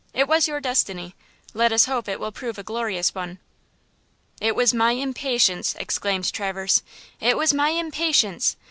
It was your destiny–let us hope it will prove a glorious one." "It was my impatience!" exclaimed Traverse. "It was my impatience!